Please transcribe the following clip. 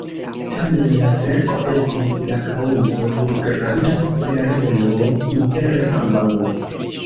Tamen la verko estis la kaŭzo de granda kverelo inter ambaŭ.